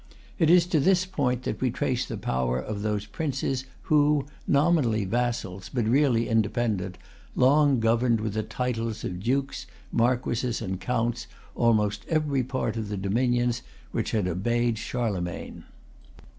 It is to this point, that we trace the power of those princes who, nominally vassals, but really independent, long governed, with the titles of dukes, marquesses, and counts, almost every part of the dominions which had obeyed Charlemagne.